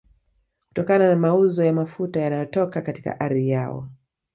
kutokana na mauzo ya mafuta yanayotoka katika ardhi yao